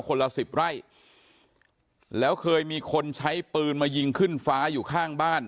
ละสิบไร่แล้วเคยมีคนใช้ปืนมายิงขึ้นฟ้าอยู่ข้างบ้าน